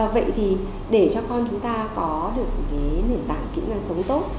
vậy thì để cho con chúng ta có được cái nền tảng kỹ năng sống tốt